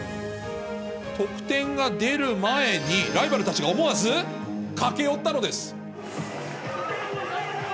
得点が出る前に、ライバルたちが思わず駆け寄ったのです。